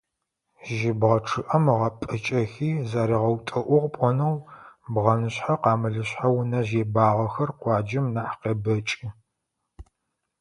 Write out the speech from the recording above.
Жьыбгъэ чъыӀэм ыгъэпӀыкӀэхи заригъэутӀыӀугъ пloнэу, бгъэнышъхьэ-къамылышъхьэ унэжъ ебагъэхэр къуаджэм нахь къебэкӀы.